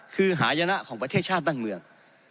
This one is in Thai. คือหายนะของประเทศชาติบ้านเมือง